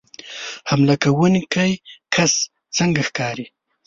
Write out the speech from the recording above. حمله کوونکی کس څنګه ښکاري